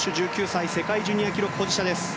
１９歳世界ジュニア記録保持者です。